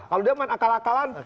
kalau dia main akal akalan